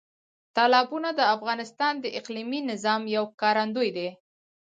تالابونه د افغانستان د اقلیمي نظام یو ښکارندوی دی.